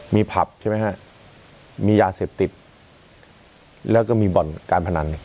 มีผับใช่ไหมฮะมียาเสพติดแล้วก็มีบ่อนการพนัน